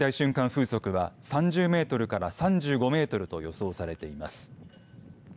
風速は３０メートルから３５メートルと予想されています。